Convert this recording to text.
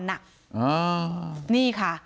นี่ค่ะ